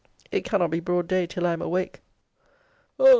It cannot be broad day till I am awake.